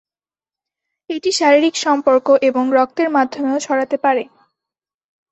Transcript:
এটি শারীরিক সম্পর্ক এবং রক্তের মাধ্যমেও ছড়াতে পারে।